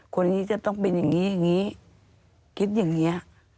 คนนี้จะต้องเป็นอย่างนี้อย่างนี้คิดอย่างนี้